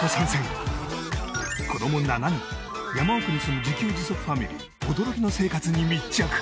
子供７人山奥に住む自給自足ファミリー驚きの生活に密着。